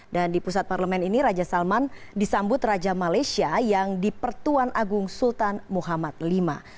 dan di pusat parlemen ini raja salman disambut raja malaysia yang dipertuan agung sultan muhammad v